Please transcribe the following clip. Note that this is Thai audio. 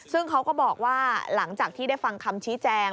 ซึ่งเขาก็บอกว่าหลังจากที่ได้ฟังคำชี้แจง